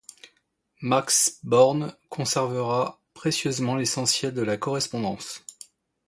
Max Born conserva précieusement l'essentiel de la correspondance.